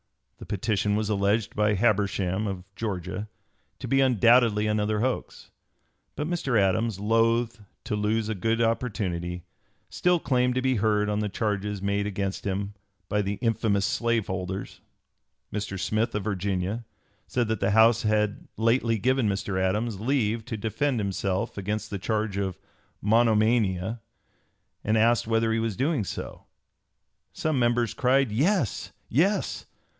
The petition was alleged by Habersham, of Georgia, to be undoubtedly another hoax. But Mr. Adams, loath to lose a good opportunity, still claimed to be heard on the charges made against him by the "infamous slave holders." Mr. Smith, of Virginia, said that the House had lately given Mr. Adams leave to defend himself against the charge of monomania, and asked whether he was doing so. Some members cried "Yes! Yes!"